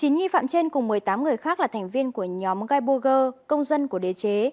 chín nghi phạm trên cùng một mươi tám người khác là thành viên của nhóm geiburger công dân của đế chế